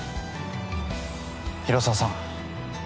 広沢さん。